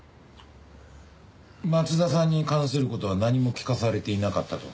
松田さんに関する事は何も聞かされていなかったと。